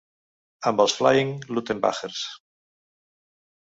Amb els Flying Luttenbachers